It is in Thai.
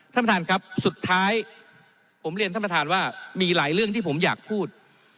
ท่านประธานครับสุดท้ายผมเรียนท่านประธานว่ามีหลายเรื่องที่ผมอยากพูด